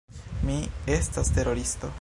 Mi estas teroristo.